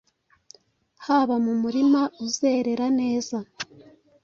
Haba mu murima uzerera neza,